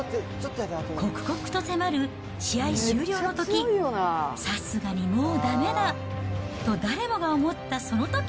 刻々と迫る試合終了のとき、さすがにもうだめだと誰もが思ったそのとき。